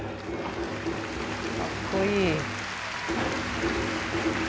かっこいい！